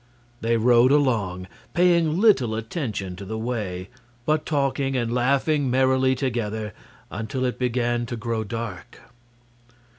They rode along, paying little attention to the way, but talking and laughing merrily together, until it began to grow dark.